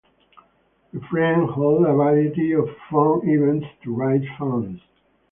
The Friends hold a variety of fun events to raise funds.